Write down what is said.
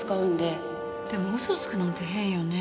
でも嘘をつくなんて変よね。